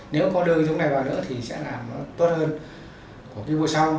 nếu có đưa cái dống này vào nữa thì sẽ làm nó tốt hơn của cái bộ sau